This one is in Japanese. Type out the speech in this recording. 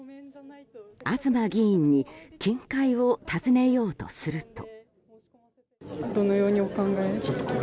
東議員に見解を尋ねようとすると。